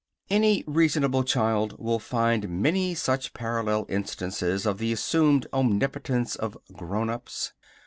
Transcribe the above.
Any reasonable child will find many such parallel instances of the assumed omnipotence of "grownups."